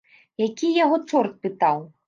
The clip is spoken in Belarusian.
Які яго чорт пытаў?